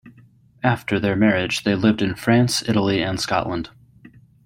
After their marriage they lived in France, Italy, and Scotland.